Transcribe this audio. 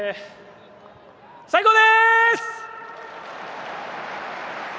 最高でーす！